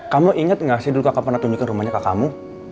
kamu inget gak sih dulu kakak pernah tunjukin rumahnya kakakmu